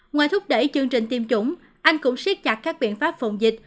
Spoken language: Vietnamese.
ngoài thúc đẩy chương trình tiêm chủng anh cũng siết chặt các biện pháp phòng dịch